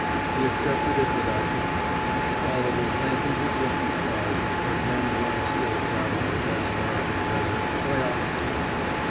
He accepted it without complaint, stolidly thanking his lucky stars that men weren't still traveling across America's deserts by ox team.